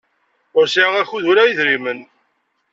Ur sɛiɣ akud wala idrimen.